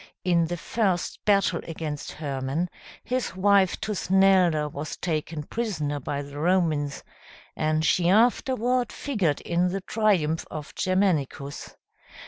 In the first battle against Hermann, his wife Tusnelda, was taken prisoner by the Romans, and she afterward figured in the triumph of Germanicus.